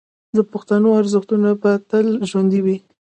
د پښتنو ارزښتونه به تل ژوندي وي.